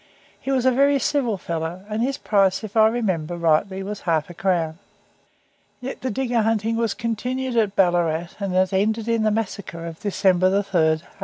He was a very civil fellow, and his price, if I remember rightly was half a crown. Yet the digger hunting was continued at Ballarat until it ended in the massacre of December 3rd 1854.